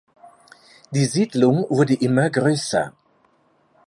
Die Siedlung wurde immer größer.